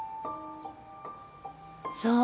そう。